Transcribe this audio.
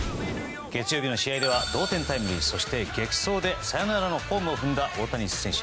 月曜日の試合では同点タイムリーそして激走でサヨナラのホームを踏んだ大谷選手。